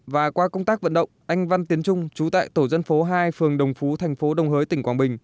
và qua công tác vận động anh văn tiến trung trú tại tổ dân phố hai phường đồng phú thành phố đồng hới tỉnh quảng bình